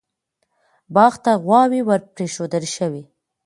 باغ ته غواوې ور پرېښودل شوې.